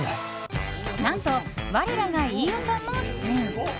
何と、我らが飯尾さんも出演。